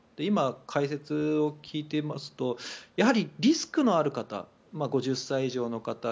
今、解説を聞いていますとやはりリスクのある方５０歳以上の方